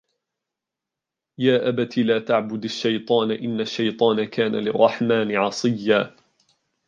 يَا أَبَتِ لَا تَعْبُدِ الشَّيْطَانَ إِنَّ الشَّيْطَانَ كَانَ لِلرَّحْمَنِ عَصِيًّا